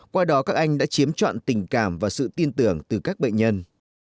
qua đó các anh đã chiếm trọn tình cảm và sự tin tưởng từ các bệnh nhân